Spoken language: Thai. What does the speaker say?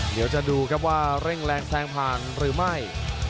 เดี๋ยวจะดูครับว่าเร่งแรงแซงผ่านหรือไม่